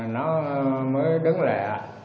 nó mới đứng lẹ